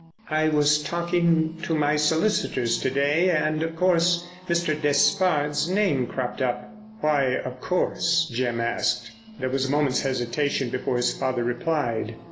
"I was talking to my solicitors to day, and, of course, Mr. Despard's name cropped up." "Why of course?" Jim asked. There was a moment's hesitation before his father replied.